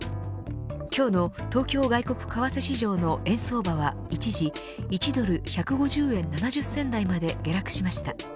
今日の東京外国為替市場の円相場は一時１ドル１５０円７０銭台まで下落しました。